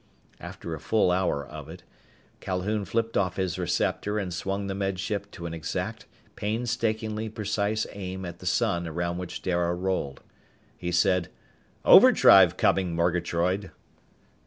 After a full hour of it, Calhoun flipped off his receptor and swung the Med Ship to an exact, painstakingly precise aim at the sun around which Dara rolled. He said, "Overdrive coming, Murgatroyd!"